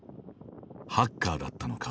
ハッカーだったのか